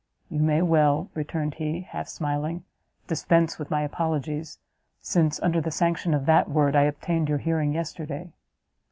"You may well," returned he, half smiling, "dispense with my apologies, since under the sanction of that word, I obtained your hearing yesterday.